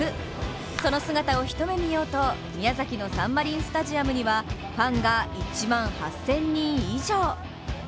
その姿を一目見ようと、宮崎のサンマリンスタジアムには、ファンが１万８０００人以上。